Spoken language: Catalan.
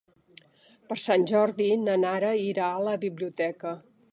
Per Sant Jordi na Nara irà a la biblioteca.